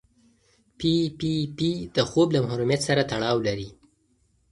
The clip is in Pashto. پي پي پي د خوب له محرومیت سره تړاو لري.